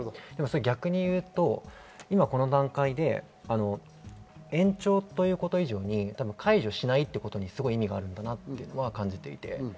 逆にいうと、今この段階で延長ということ以上に解除しないということに意味があるんだなと感じます。